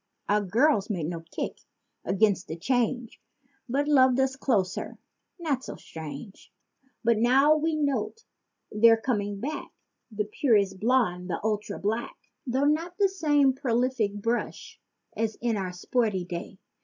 Our girls made no kick 'gainst the change, but loved us, closer—not so strange. But now we note they're coming back—the purest blonde and ultra black— Though not the same prolific brush as in our sporty day.